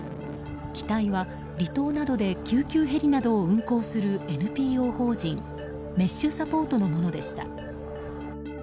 機体は離島などで救急ヘリなどを運行するＮＰＯ法人ＭＥＳＨサポートのものでした。